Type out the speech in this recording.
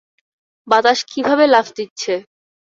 বাতাসে কীভাবে লাফ দিচ্ছে!